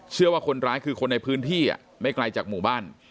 เชื่อว่าคนร้ายคือคนในพื้นที่ไม่ไกลจากหมู่บ้าน